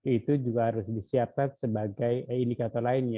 itu juga harus disiapkan sebagai indikator lainnya